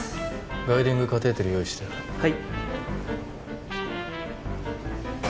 ガイディングカテーテル用意してはい